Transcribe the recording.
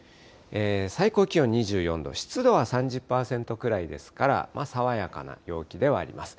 最高気温２４度、湿度は３０％くらいですから、爽やかな陽気ではあります。